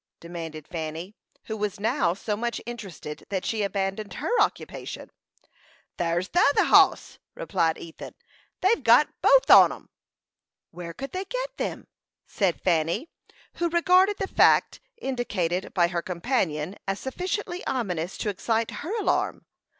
demanded Fanny, who was now so much interested that she abandoned her occupation. "There's the t'other hoss!" replied Ethan. "They've got both on 'em." "Where could they get them?" said Fanny, who regarded the fact indicated by her companion as sufficiently ominous to excite her alarm.